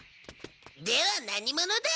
では何者だ？